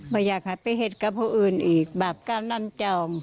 ไม่อยากหาเพศกับผู้อื่นอีกบาปกะล้ำจอง